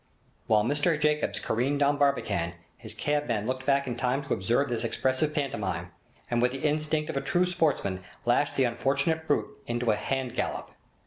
While Mr Jacobs careered down Barbican, his cabman looked back in time to observe this expressive pantomime, and with the instinct of a true sportsman lashed the unfortunate brute into a hand gallop.